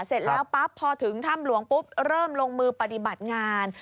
เสร็จแล้วปั๊บพอถึงถ้ำหลวงปุ๊บเริ่มลงมือปฏิบัติงาน